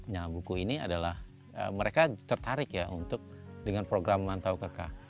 nah buku ini adalah mereka tertarik ya untuk dengan program mantau kk